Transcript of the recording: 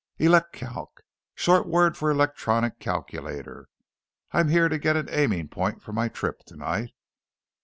"Elecalc. Short word for electronic calculator. I'm here to get an aiming point for my trip tonight."